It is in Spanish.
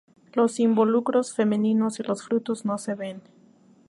Los involucros femeninos y los frutos no se ven.